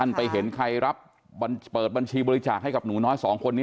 ไปเห็นใครรับเปิดบัญชีบริจาคให้กับหนูน้อยสองคนนี้